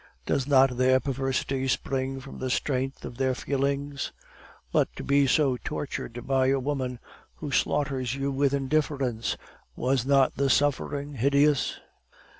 Does not their perversity spring from the strength of their feelings? But to be so tortured by a woman, who slaughters you with indifference! was not the suffering hideous?